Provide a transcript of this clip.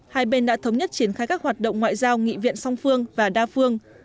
hai bên đã thống nhất triển khai các hoạt động ngoại giao nghị viện song phương và đa phương